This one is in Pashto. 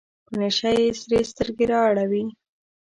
په نشه کې سرې سترګې رااړوي.